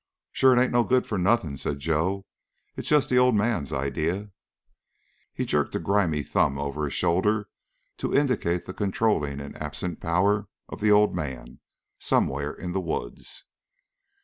"Sure it ain't no good for nothing," said Joe. "It's just the old man's idea." He jerked a grimy thumb over his shoulder to indicate the controlling and absent power of the old man, somewhere in the woods.